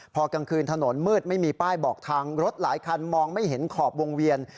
พอกลางคืนถนนมืดไม่มีป้ายบอกทางรถหลายคันมองไม่เห็นขอบวงเวียน